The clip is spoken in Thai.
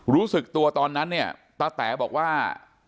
รู้สึกตัวตอนนั้นเนี่ยตาแต๋บอกว่า